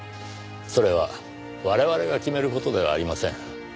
それは我々が決める事ではありません。